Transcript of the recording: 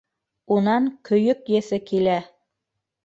Унан көйөк еҫе килә.